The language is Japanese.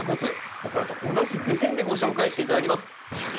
僕らと同じ目線でご紹介して頂きます。